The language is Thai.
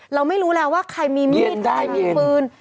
เราไม่รู้แล้วว่าใครมีมีดใครมีปืน